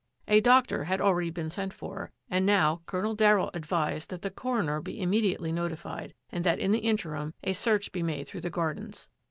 A doctor had already been sent for, and now Colonel Darryll advised that the coroner be im mediately notified and that in the interim a search be made through the gardens.